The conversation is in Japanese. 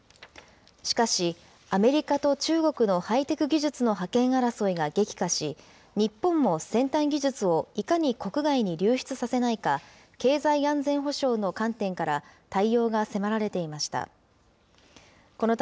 しかし、アメリカと中国のハイテク技術の覇権争いが激化し、日本も先端技術をいかに国外に流出させないか、経済安全保障の観点から、対応が迫られていました。